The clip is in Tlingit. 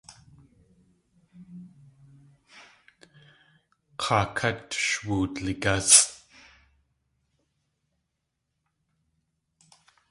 K̲aa kát sh wudligásʼ.